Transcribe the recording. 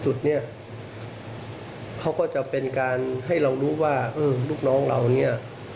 สุดเนี่ยเขาก็จะเป็นการให้เรารู้ว่าเออลูกน้องเราเนี่ย